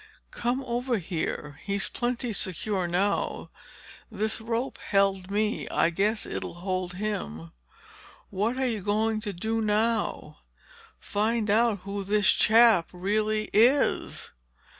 "Come over here. He's plenty secure now. This rope held me, I guess it'll hold him." "What are you going to do now?" "Find out who this chap really is."